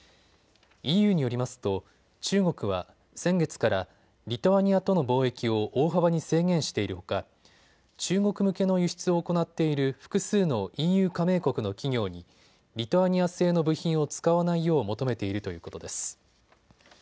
ＥＵによりますと中国は先月からリトアニアとの貿易を大幅に制限しているほか中国向けの輸出を行っている複数のＥＵ加盟国の企業にリトアニア製の部品を使わないよう求めているということです。